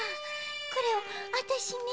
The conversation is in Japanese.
これをあたしに？